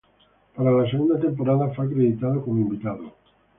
Para la segunda temporada, fue acreditado como invitado.